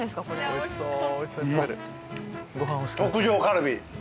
おいしそう！